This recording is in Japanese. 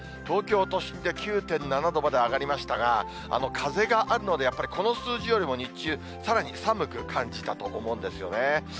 東京都心で９．７度まで上がりましたが、風があるので、やっぱりこの数字よりも日中、さらに寒く感じたと思うんですよね。